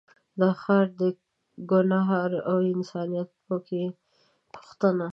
دا ښار دی ګنهار او انسانیت په کې پوښتنه